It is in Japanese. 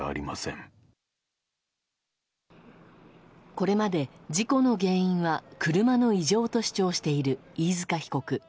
これまで事故の原因は車の異常と主張している飯塚被告。